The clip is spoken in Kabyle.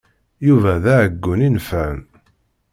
Yuba d aɛeggun inefɛen.